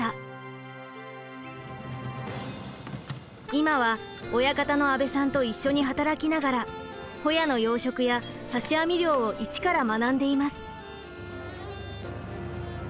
今は親方の阿部さんと一緒に働きながらホヤの養殖や刺し網漁を一から学んでいます。